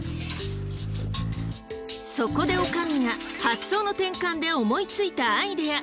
そこでおかみが発想の転換で思いついたアイデア